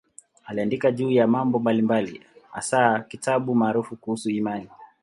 Aliandika juu ya mambo mbalimbali, hasa kitabu maarufu kuhusu imani.